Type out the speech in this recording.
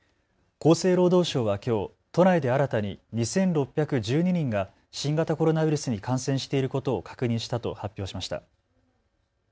厚生労働省はきょう都内で新たに２６１２人が新型コロナウイルスに感染していることを確認したと発表しました。